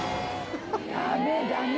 ダメダメ。